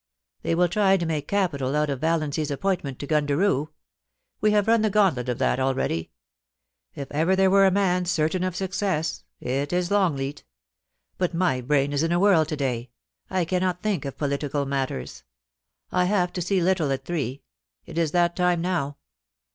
* They will try to make capital out of Valiancy's appoint ment to Gundaroo. We have mn the gauntlet of that already. If ever there were a man certain of success, it is Longleat ; but my brain is in a whirl to day — I cannot think of political matters. I have to see Little at three ; it is that time now.